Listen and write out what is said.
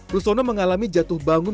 rustono mengalami jatuh bangun